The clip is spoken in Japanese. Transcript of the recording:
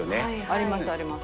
ありますあります。